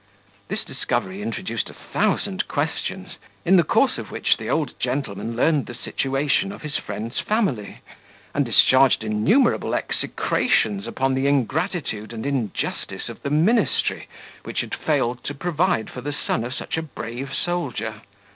This discovery introduced a thousand questions, in the course of which the old gentleman learned the situation of his friend's family, and discharged innumerable execrations upon the ingratitude and injustice of the ministry, which had failed to provide for the son of such a brave soldier.